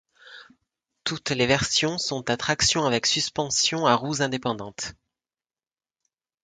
Toutes les versions sont à traction avec suspensions à roues indépendantes.